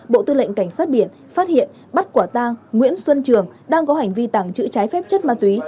bộ tư lệnh cảnh sát biển phát hiện bắt quả tang nguyễn xuân trường đang có hành vi tàng trữ trái phép chất ma túy